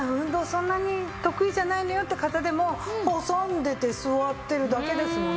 そんなに得意じゃないのよって方でも挟んでて座ってるだけですもんね。